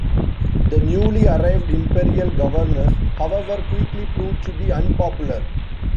The newly arrived Imperial governors, however, quickly proved to be unpopular.